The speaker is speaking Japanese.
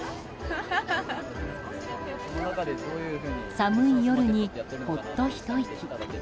寒い夜に、ほっとひと息。